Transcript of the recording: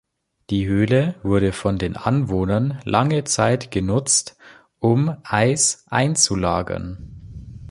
Die Höhle wurde von den Anwohnern lange Zeit genutzt, um Eis einzulagern.